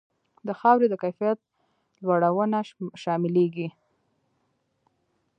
د خاورې د کیفیت لوړونه شاملیږي.